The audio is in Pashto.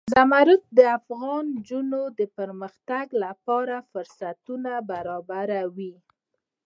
زمرد د افغان نجونو د پرمختګ لپاره فرصتونه برابروي.